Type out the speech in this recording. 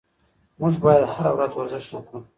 موږ باید هره ورځ ورزش وکړو.